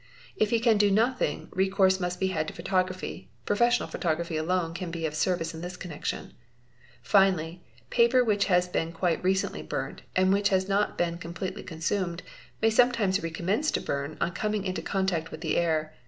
If he can do nothing, recourse must be had to photography, professional photography alone can be of service in this connection ®™. iat Al N Finally, paper which has been quite recently burnt and which has ' not been completely consumed, may sometimes recommence to burn on coming into open contact with the air.